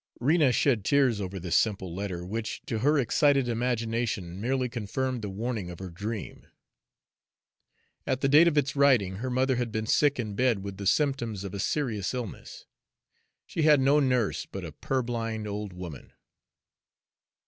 Rena shed tears over this simple letter, which, to her excited imagination, merely confirmed the warning of her dream. At the date of its writing her mother had been sick in bed, with the symptoms of a serious illness. She had no nurse but a purblind old woman.